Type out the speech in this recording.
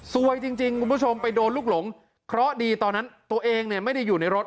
จริงจริงคุณผู้ชมไปโดนลูกหลงเคราะห์ดีตอนนั้นตัวเองเนี่ยไม่ได้อยู่ในรถ